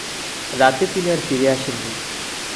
রাতে তিনি আর ফিরে আসেননি।